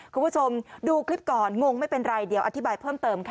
คุณผู้ชมดูคลิปก่อนงงไม่เป็นไรเดี๋ยวอธิบายเพิ่มเติมค่ะ